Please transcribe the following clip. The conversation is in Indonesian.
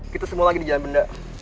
kita semua lagi di jalan benda